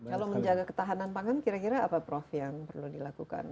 kalau menjaga ketahanan pangan kira kira apa prof yang perlu dilakukan